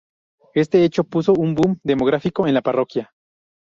Este hecho supuso un "boom" demográfico en la parroquia.